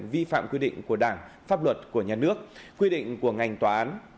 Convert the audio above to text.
vi phạm quy định của đảng pháp luật của nhà nước quy định của ngành tòa án